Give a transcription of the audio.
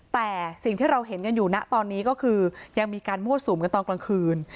แต่สิ่งที่เราเห็นกันอยู่นะตอนนี้ก็คือยังมีการมั่วสุมกันตอนกลางคืน